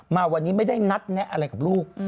มาวันนี้ไม่ได้นัดแนะอะไรกับลูก